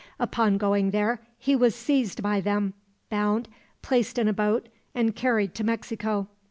Upon going there he was seized by them, bound, placed in a boat, and carried to Mexico.